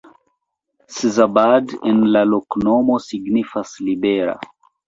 Szabad en la loknomo signifas: libera.